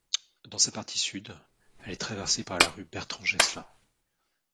Dans sa partie sud, elle est traversée par la rue Bertrand-Geslin.